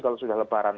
kalau sudah lebaran